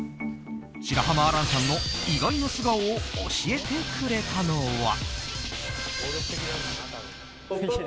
白濱亜嵐さんの意外な素顔を教えてくれたのは。